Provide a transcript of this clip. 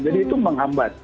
jadi itu menghambat